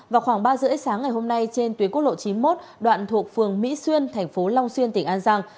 vào khoảng ba h ba mươi sáng ngày hôm nay trên tuyến quốc lộ chín mươi một đoạn thuộc phường mỹ xuyên thành phố long xuyên tỉnh an giang